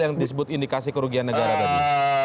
yang disebut indikasi kerugian negara tadi